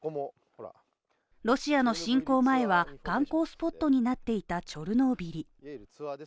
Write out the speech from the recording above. ロシアの侵攻前は観光スポットになっていたチョルノービリ。